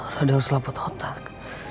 radang selaput otak